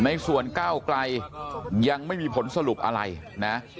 ในส่วนก้าวไกลยังไม่มีผลสรุปอะไรนะ